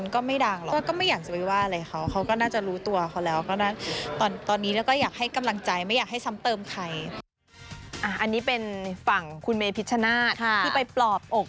ก็ตบมือข้างเดียวมันก็ไม่ดางหรอก